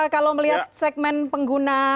kalau melihat segmen pengguna